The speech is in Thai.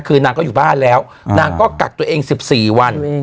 คือนางก็อยู่บ้านแล้วนางก็กักตัวเอง๑๔วัน